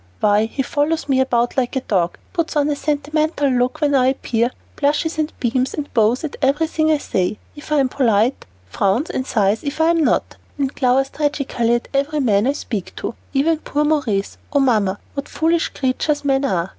"Why, he follows me about like a dog, puts on a sentimental look when I appear; blushes, and beams, and bows at everything I say, if I am polite; frowns and sighs if I'm not; and glowers tragically at every man I speak to, even poor Maurice. Oh, Mamma, what foolish creatures men are!"